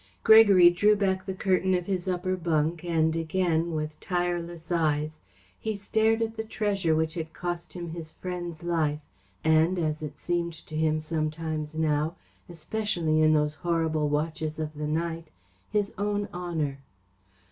Gregory drew back the curtain of his upper bunk and again, with tireless eyes, he stared at the treasure which had cost him his friend's life, and, as it seemed to him sometimes now, especially in those horrible watches of the night, his own honour.